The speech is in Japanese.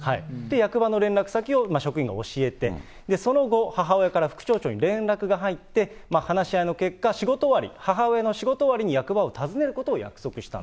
役場の連絡先を職員が教えて、その後、母親から副町長に連絡が入って、話し合いの結果、仕事終わり、母親の仕事終わりに役場を訪ねることを約束した。